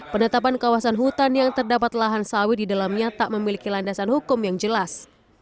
penetapan kawasan hutan yang terdapat lahan sawit di dalamnya tak memiliki landasan hukum yang jelas